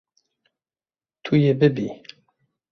Tu yê bibî.